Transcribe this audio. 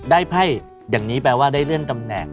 ไพ่อย่างนี้แปลว่าได้เลื่อนตำแหน่ง